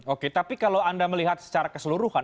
oke tapi kalau anda melihat secara keseluruhan